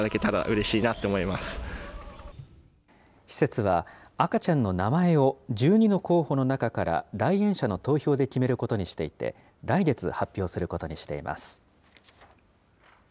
施設は、赤ちゃんの名前を１２の候補の中から、来園者の投票で決めることにしていて、来月、発表することにしています。